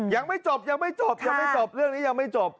ยังไม่จบเรื่องนี้ยังไม่จบ